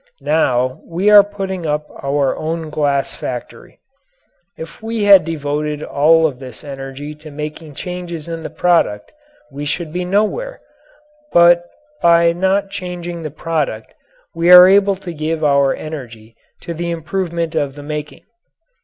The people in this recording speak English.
Now we are putting up our own glass factory. If we had devoted all of this energy to making changes in the product we should be nowhere; but by not changing the product we are able to give our energy to the improvement of the making.